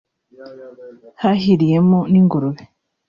hahiriyemo n’ingurube